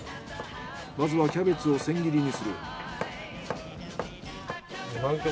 まずはキャベツを千切りにする。